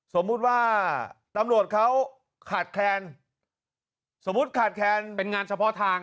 สมมุติว่าตำรวจเขาขาดแคลนสมมุติขาดแคลนเป็นงานเฉพาะทาง